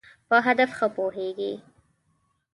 په هدف ښه پوهېږی.